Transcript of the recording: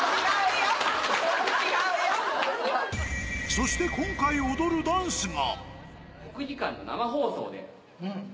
そして今回、踊るダンスが。